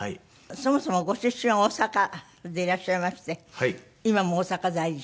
そもそもご出身は大阪でいらっしゃいまして今も大阪在住。